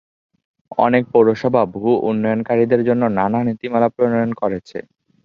অনেক পৌরসভা ভূ-উন্নয়নকারীদের জন্য নানা নীতিমালা প্রণয়ন করেছে।